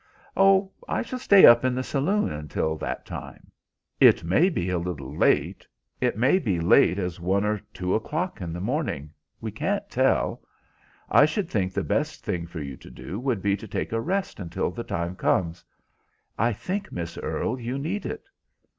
"Oh, I shall stay up in the saloon until that time?" "It may be a little late. It may be as late as one or two o'clock in the morning. We can't tell. I should think the best thing for you to do would be to take a rest until the time comes. I think, Miss Earle, you need it."